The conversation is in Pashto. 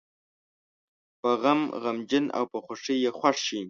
په غم غمجن او په خوښۍ یې خوښ شي.